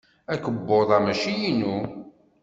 Akebbuḍ-a mačči inu.